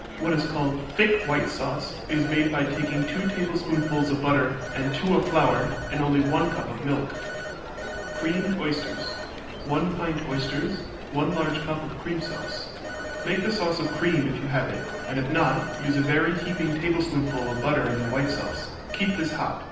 What is called thick white sauce is made by taking two tablespoonfuls of butter and two of flour, and only one cup of milk. Creamed Oysters 1 pint oysters. 1 large cup of cream sauce. Make the sauce of cream if you have it, and if not use a very heaping tablespoonful of butter in the white sauce. Keep this hot.